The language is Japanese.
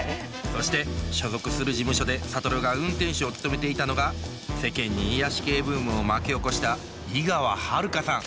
そして所属する事務所で諭が運転手を務めていたのが世間に癒やし系ブームを巻き起こした井川遥さん